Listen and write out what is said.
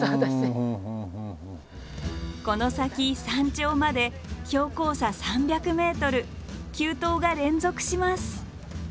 この先山頂まで標高差３００ｍ急登が連続します。